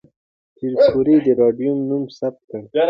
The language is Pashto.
پېیر کوري د راډیوم نوم ثبت کړ.